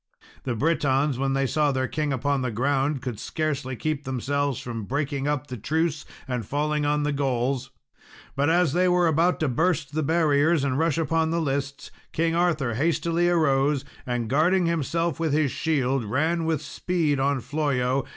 The Britons, when they saw their king upon the ground, could scarcely keep themselves from breaking up the truce and falling on the Gauls. But as they were about to burst the barriers, and rush upon the lists, King Arthur hastily arose, and, guarding himself with his shield, ran with speed on Flollo.